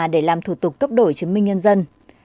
để làm thủ tục cấp đổi chứng minh nhân dân